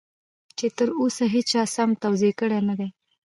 چې تر اوسه هېچا سم توضيح کړی نه دی.